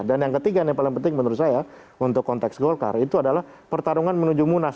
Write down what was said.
dan yang ketiga yang paling penting menurut saya untuk konteks golkar itu adalah pertarungan menuju munas